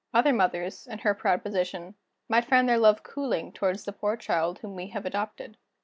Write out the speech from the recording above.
Other mothers, in her proud position, might find their love cooling toward the poor child whom we have adopted.